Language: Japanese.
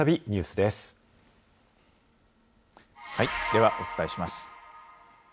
ではお伝えします。